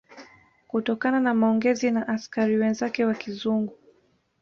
Kutokana na maongezi na askari wenzake wa kizungu